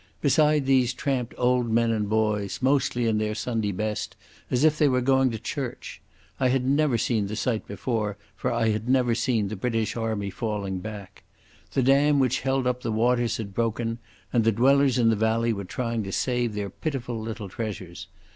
Beside these tramped old men and boys, mostly in their Sunday best as if they were going to church. I had never seen the sight before, for I had never seen the British Army falling back. The dam which held up the waters had broken and the dwellers in the valley were trying to save their pitiful little treasures.